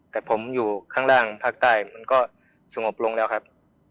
แต่ผมอยู่ข้างล่างภาคใต้มันก็สงบลงแล้วครับ